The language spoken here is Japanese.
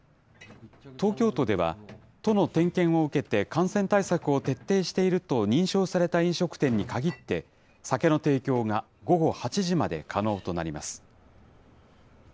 東京都では、都の点検を受けて感染対策を徹底していると認証された飲食店に限って、酒の提供が午後８時まで可能となります。